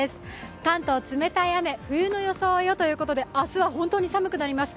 関東、冷たい雨、冬の装いをということで、明日は本当に寒くなります